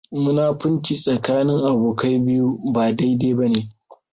Munfunci tsakanin abokai biyu ba daidai bane.